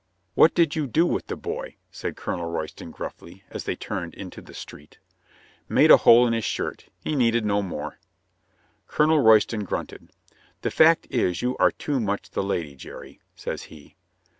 "What did you do with the boy?" said Colonel Royston gruffly, as they turned into the street. "Made a hole in his shirt. He needed no more." Colonel Royston grunted. "The fact is, you are too much the lady, Jerry," says he.